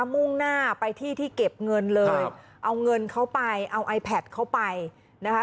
มุ่งหน้าไปที่ที่เก็บเงินเลยเอาเงินเขาไปเอาไอแพทเขาไปนะคะ